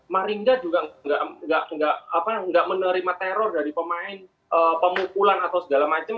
maringga juga nggak menerima teror dari pemain pemukulan atau segala macam